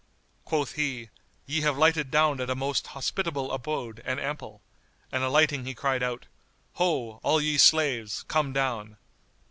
Quoth he, "Ye have lighted down at a most hospitable abode and ample;" and alighting he cried out, "Ho, all ye slaves, come down!"